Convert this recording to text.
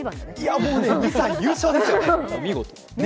もう２歳、優勝ですよね。